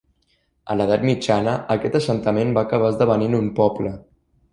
A l'edat mitjana, aquest assentament va acabar esdevenint un poble.